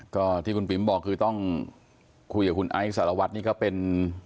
ก็ที่คุณปิ๋มบอกคือต้องคุยกับคุณไอซ์สารวัตรนี่ก็เป็น